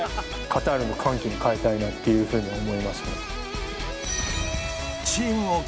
「カタールの歓喜」に変えたいなっていう風に思いますね。